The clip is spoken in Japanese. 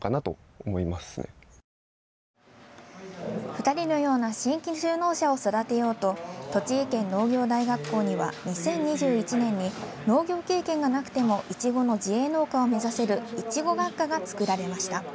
２人のような新規就農者を育てようと栃木県農業大学校には２０２１年に農業経験がなくてもいちごの自営農家を目指せるいちご学科が作られました。